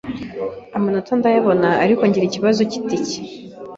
amanota ndayabona ariko ngira ikibazo cy’itike